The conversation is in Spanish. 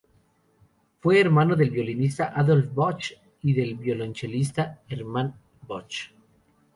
Fue hermano del violinista Adolf Busch y del violonchelista Hermann Busch.